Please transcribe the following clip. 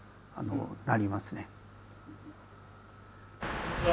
こんにちは。